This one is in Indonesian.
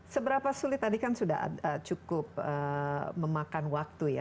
seberapa sulit tadi kan sudah cukup memakan waktu ya